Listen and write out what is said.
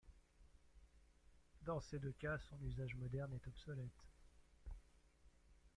Dans ces deux cas, son usage moderne est obsolète.